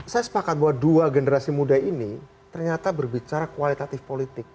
saya sepakat bahwa dua generasi muda ini ternyata berbicara kualitatif politik